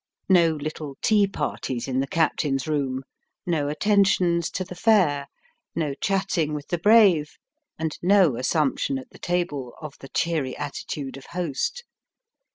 No little tea parties in the captain's room, no attentions to the fair, no chatting with the brave, and no assumption at the table of the cheery attitude of host.